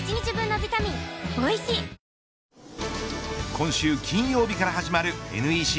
今週金曜日から始まるＮＥＣ